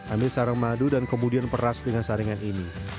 ambil sarang madu dan kemudian peras dengan saringan ini